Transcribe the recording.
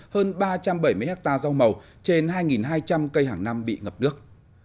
hơn ba trăm bảy mươi hectare rau màu trên hai hai trăm linh cây hàng năm bị ngập nước